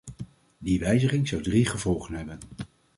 Die wijziging zou drie gevolgen hebben.